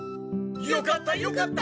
よかったよかった。